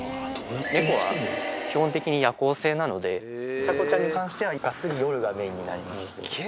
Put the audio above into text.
猫は基本的に夜行性なので、ちゃこちゃんに関しては至って夜がメインになります。